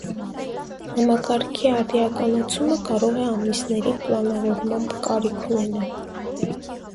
Համակարգի արդիականացումը կարող է ամիսների պլանավորման կարիք ունենալ։